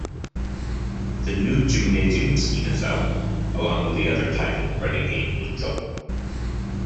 The nude gymnasium scene is out, along with the other title 'Renegade Angel'.